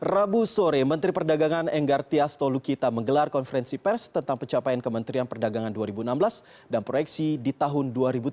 rabu sore menteri perdagangan enggar tias tolukita menggelar konferensi pers tentang pencapaian kementerian perdagangan dua ribu enam belas dan proyeksi di tahun dua ribu tujuh belas